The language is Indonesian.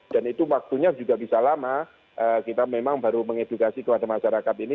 dan itu waktunya juga bisa lama kita memang baru mengedukasi kepada masyarakat ini